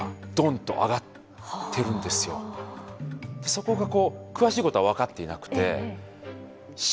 そこがこう詳しいことは分かっていなくて。